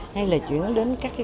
hay là chuyển đến các cơ quan